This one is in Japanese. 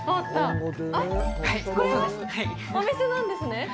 あれっ、これがお店なんですね。